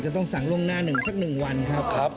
จะต้องสั่งล่วงหน้าหนึ่งสักหนึ่งวันครับ